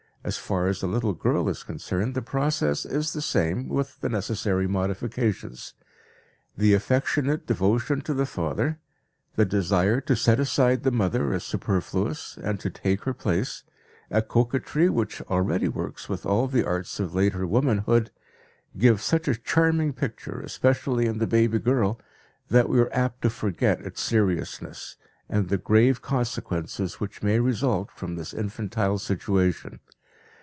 As far as the little girl is concerned, the process is the same with the necessary modifications. The affectionate devotion to the father, the desire to set aside the mother as superfluous and to take her place, a coquetry which already works with all the arts of later womanhood, give such a charming picture, especially in the baby girl, that we are apt to forget its seriousness, and the grave consequences which may result from this infantile situation.